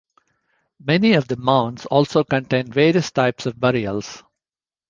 Many of the mounds also contain various types of burials.